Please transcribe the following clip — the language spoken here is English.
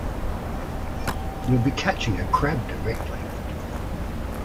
You’ll be catching a crab directly.